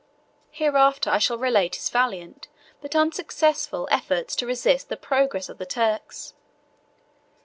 Hereafter I shall relate his valiant, but unsuccessful, efforts to resist the progress of the Turks.